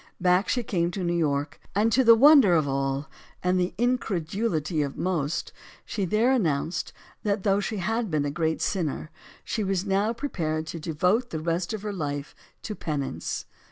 Back she came to New York. And to the wonder of all, and the incredulity of most she there announced that, though she had been a great sinner, she was now prepared to devote the rest of her life to penance.